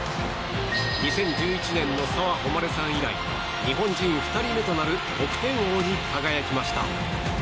２０１１年の澤穂希さん以来日本人２人目となる得点王に輝きました。